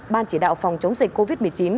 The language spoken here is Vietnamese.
ban chỉ đạo phòng chống dịch covid một mươi chín